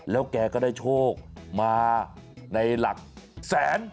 แล้วแกก็ได้โชคมาในหลักแสน